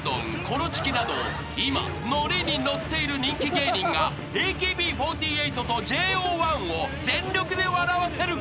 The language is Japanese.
コロチキなど今ノリに乗っている人気芸人がＡＫＢ４８とＪＯ１を全力で笑わせる。